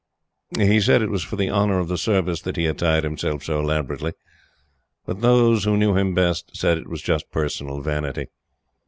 He said it was for the honor of the Service that he attired himself so elaborately; but those who knew him best said that it was just personal vanity.